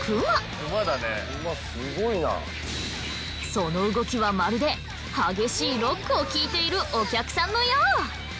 その動きはまるで激しいロックを聞いているお客さんのよう。